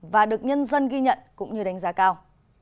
và được nhân dân ghi nhận cũng như đánh giá cao